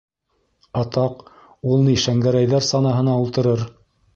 Атаҡ, ул ни Шәңгәрәйҙәр санаһына ултырыр!